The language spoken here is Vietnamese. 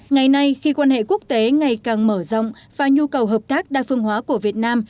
ngày nay khi quan hệ quốc tế ngày càng mở rộng và nhu cầu hợp tác đa phương hóa của việt nam